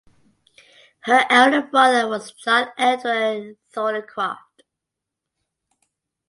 Her elder brother was John Edward Thornycroft.